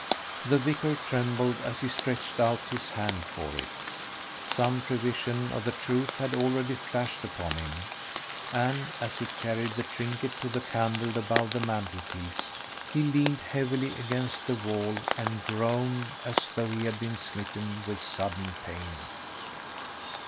The vicar trembled as he stretched out his hand for it. Some prevision of the truth had already flashed upon him; and as he carried the trinket to the candle above the mantel piece he leaned heavily against the wall and groaned as though he had been smitten with sudden pain.